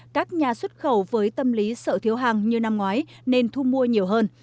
các nhà xuất khẩu với tâm lý sợ thiếu hàng như năm ngoái nên thu mua nhiều hơn